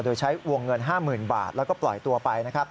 โดยใช้วงเงิน๕๐๐๐บาทแล้วก็ปล่อยตัวไปนะครับ